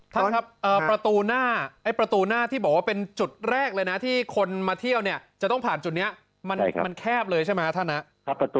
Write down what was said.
ท่านครับประตูหน้าไอ้ประตูหน้าที่บอกว่าเป็นจุดแรกเลยนะที่คนมาเที่ยวเนี่ยจะต้องผ่านจุดนี้มันแคบเลยใช่ไหมครับท่านนะ